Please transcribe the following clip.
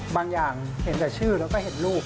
บางอย่างเห็นแต่ชื่อแล้วก็เห็นรูป